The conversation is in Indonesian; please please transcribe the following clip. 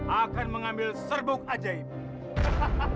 akan mengambil serbuk ajaib